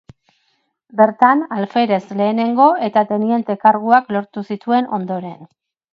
Bertan alferez lehenengo eta teniente karguak lortu zituen, ondoren.